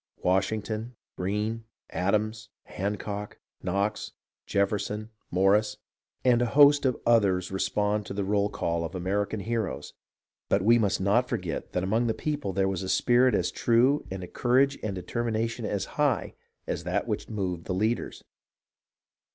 Washington, Greene, Adams, Hancock, Knox, Jefferson, Morris, and a host of others respond to the roll call of American heroes, but we must not forget that among the people there was a spirit as true and a courage and determination as high as that which moved the leaders.